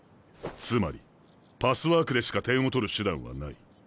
つまりパスワークでしか点を取る手段はない。